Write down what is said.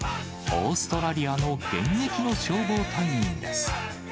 オーストラリアの現役の消防隊員です。